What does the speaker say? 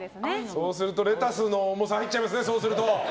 そうするとレタスの重さ入っちゃいますね。